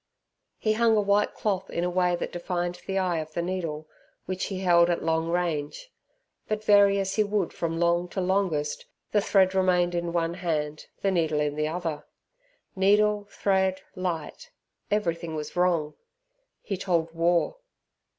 He hung a white cloth in a way that defined the eye of the needle which he held at long range; but vary as he would from long to longest the thread remained in one hand, the needle in the other. Needle, thread, light, everything was wrong, he told War.